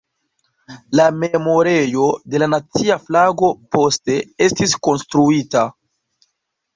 La Memorejo de la Nacia Flago poste estis konstruita.